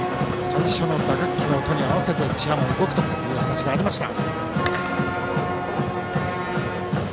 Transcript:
最初の打楽器の音に合わせてチアも動くという話がありました。